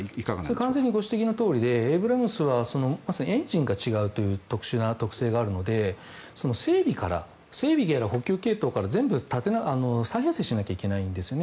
完全にご指摘のとおりでＭ１エイブラムスはエンジンが違うという特徴があるので整備から補給から再編成しないといけないんです。